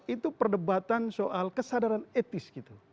itu perdebatan soal kesadaran etis gitu